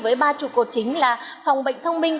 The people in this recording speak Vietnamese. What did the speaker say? với ba trụ cột chính là phòng bệnh thông minh